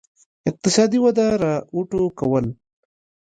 اقتصادي وده را وټوکول.